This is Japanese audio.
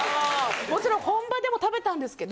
もちろん本場でも食べたんですけど。